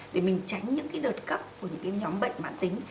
để mình tránh những cái đợt cấp của những cái nhóm bệnh mạng tính